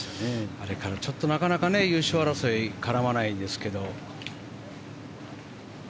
あれから、なかなか優勝争いに絡まないんですけど。